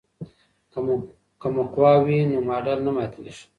که مقوا وي نو ماډل نه ماتیږي.